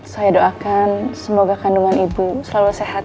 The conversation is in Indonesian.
saya doakan semoga kandungan ibu selalu sehat dan sehat